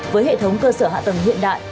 với hệ thống cơ sở hạ tầng hiện đại